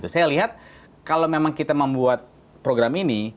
saya lihat kalau memang kita membuat program ini